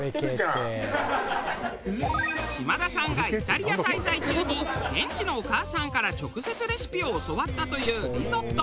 島田さんがイタリア滞在中に現地のお母さんから直接レシピを教わったというリゾット。